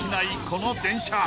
この電車］